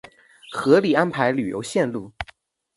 合理安排旅游线路